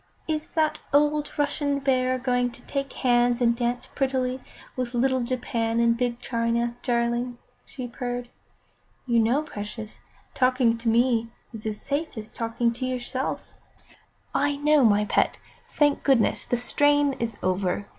"Is the old Russian Bear going to take hands and dance prettily with little Japan and big China, darling?" she purred. "You know, precious, talking to me is as safe as talking to yourself." "I know, my pet. Thank goodness, the strain is over.